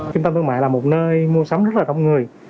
trung tâm thương mại là một nơi mua sắm rất là đông người